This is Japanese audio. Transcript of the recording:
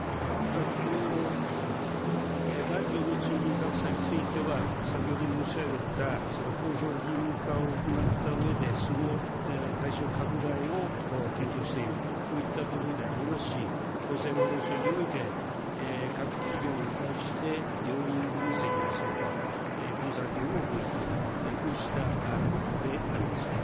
男女の賃金格差については、先ほど申し上げたその公表義務化を行ったうえで、その対象拡大を検討している、こういったことでありますし、厚生労働省において、各企業に対して要因分析ですとか、コンサルティングを行っている、こうしたことであります。